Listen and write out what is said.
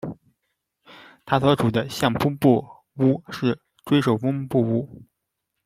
他所属的相扑部屋是追手风部屋。